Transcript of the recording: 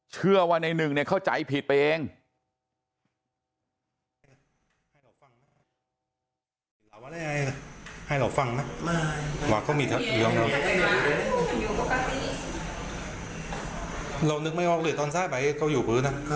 เชื่อว่าในหนึ่งเข้าใจผิดไปเอง